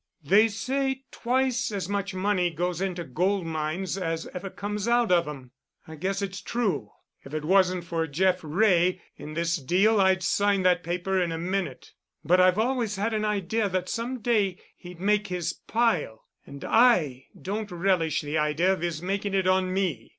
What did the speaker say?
They say twice as much money goes into gold mines as ever comes out of 'em. I guess it's true. If it wasn't for Jeff Wray in this deal I'd sign that paper in a minute. But I've always had an idea that some day he'd make his pile, and I don't relish the idea of his making it on me.